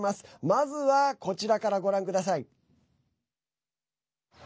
まずは、こちらからご覧ください。